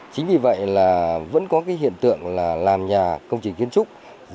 chính vì vậy là vẫn có cái hiện tượng là làm nhà công trình kiến trúc